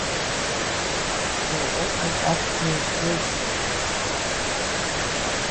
Koʼö a ndar gea kubi.